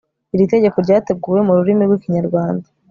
Iri tegeko ryateguwe mu rurimi rw Ikinyarwanda